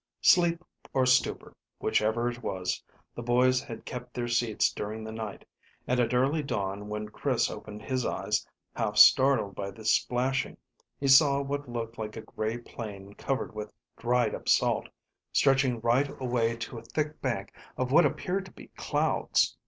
Sleep or stupor, whichever it was, the boys had kept their seats during the night, and at early dawn when Chris opened his eyes, half startled by the splashing, he saw what looked like a grey plain covered with dried up salt, stretching right away to a thick bank of what appeared to be clouds.